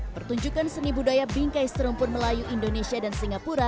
pertunjukan seni budaya bingkai serumpun melayu indonesia dan singapura